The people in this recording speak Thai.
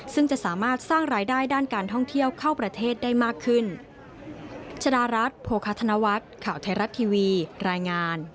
ซึ่งจะสามารถสร้างรายได้ด้านการท่องเที่ยวเข้าประเทศได้มากขึ้น